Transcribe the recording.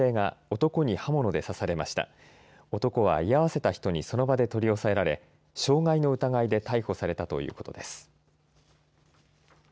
男は居合わせた人にその場で取り押さえられ、傷害の疑いで逮捕されたということです。